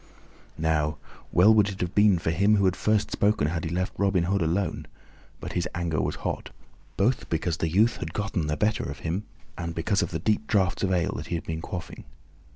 Now, well would it have been for him who had first spoken had he left Robin Hood alone; but his anger was hot, both because the youth had gotten the better of him and because of the deep draughts of ale that he had been quaffing.